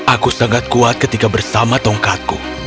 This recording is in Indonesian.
aku sangat kuat ketika bersama tongkatku